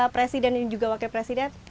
presiden dan juga wakil presiden